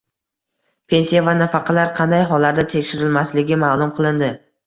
Pensiya va nafaqalar qanday hollarda tekshirilmasligi ma'lum qilindi